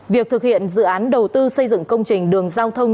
việc thực hiện dự án đầu tư xây dựng công trình đường giao thông